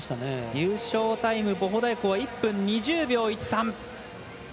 優勝タイム、ボホダイコは１分２０秒１３。